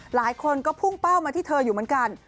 หลายคนก็พุ่งเป้ามาที่เธออยู่เหมือนกัน